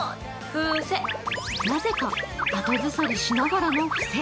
なぜか後ずさりしながらのふせ。